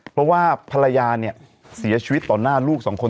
เพราะว่าภรรยาเนี่ยเสียชีวิตต่อหน้าลูกสองคน